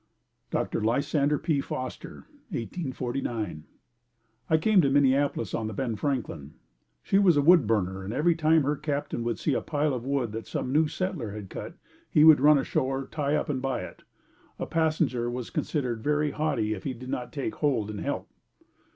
Dr. Lysander P. Foster 1849. I came to Minneapolis on the Ben Franklin. She was a wood burner and every time that her captain would see a pile of wood that some new settler had cut, he would run ashore, tie up and buy it. A passenger was considered very haughty if he did not take hold and help.